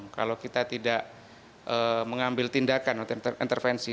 kalau kita tidak mengambil tindakan intervensi